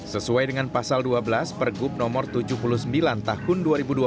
sesuai dengan pasal dua belas pergub nomor tujuh puluh sembilan tahun dua ribu dua puluh